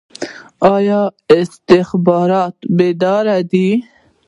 آیا استخبارات بیدار دي؟